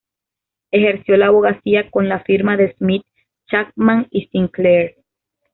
Ejerció la abogacía con la firma de Smith, Chapman y Sinclair.